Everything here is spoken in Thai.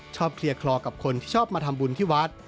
เคลียร์คลอกับคนที่ชอบมาทำบุญที่วัด